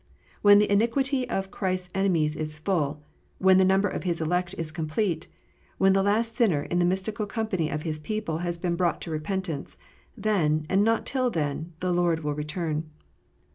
When the iniquity of Christ s enemies is full, when the number of His elect is complete, when the last sinner in the mystical company of His people has been brought to repentance, then, and not till then, the Lord will return.